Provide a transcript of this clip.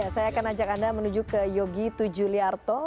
saya akan ajak anda menuju ke yogi tujuliarto